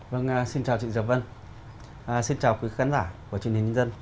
vâng xin chào chị dọc vân xin chào quý khán giả của truyền hình nhân dân